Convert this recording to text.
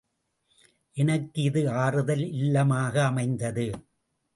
எனக்கு இது ஆறுதல் இல்லமாக அமைந்தது.